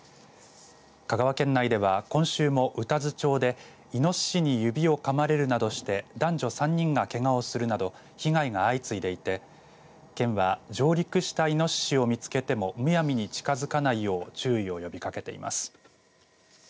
香川県内では今週も宇多津町でいのししに指をかまれるなどして男女３人がけがをするなど被害が相次いでいて県は上陸したいのししを見つけてもむやみに近づかないよう注意を呼びかけています。